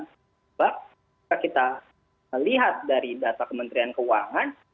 sebab jika kita lihat dari data kementerian keuangan